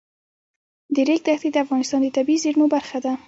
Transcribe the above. د ریګ دښتې د افغانستان د طبیعي زیرمو برخه ده.